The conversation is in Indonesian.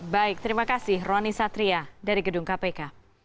baik terima kasih roni satria dari gedung kpk